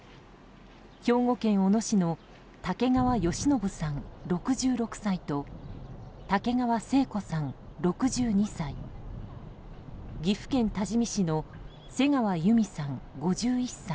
兵庫県小野市の竹川好信さん、６６歳と竹川生子さん、６２歳岐阜県多治見市の瀬川由美さん、５１歳